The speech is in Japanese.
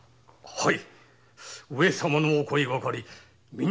はい。